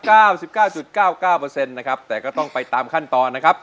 เก้าสิบเก้าจุดเก้าเก้าเปอร์เซ็นต์นะครับแต่ก็ต้องไปตามขั้นตอนนะครับ